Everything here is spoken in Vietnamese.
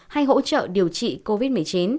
hay hỗ trợ điều trị covid một mươi chín